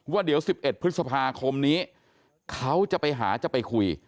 ว่าเดี๋ยว๑๑พฤษภาคมนี้เขาจะไปหาจะไปคุย